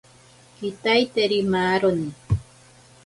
Kitaiteri maaroni.